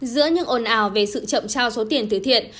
giữa những ồn ào về sự chậm trao số tiền từ thiện